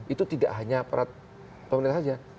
itu tidak hanya perat pemerintah saja